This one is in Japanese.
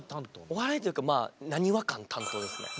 お笑いというかまあ「なにわ感」担当ですね。